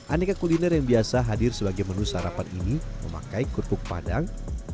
aneka kuliner yang biasa hadir sebagai menu sarapan ini memakai kerupuk padang